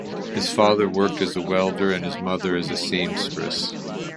His father worked as a welder and his mother as seamstress.